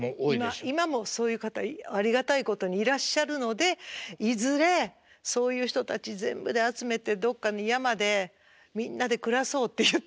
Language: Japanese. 今もそういう方ありがたいことにいらっしゃるのでいずれそういう人たち全部で集めてどっかの山でみんなで暮らそうって言ってるぐらい。